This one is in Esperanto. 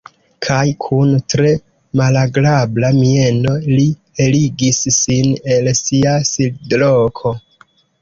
Kaj kun tre malagrabla mieno li eligis sin el sia sidloko.